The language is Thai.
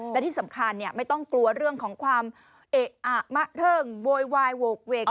และที่สำคัญไม่ต้องกลัวเรื่องของความเอะอะมะเทิ่งโวยวายโหกเวก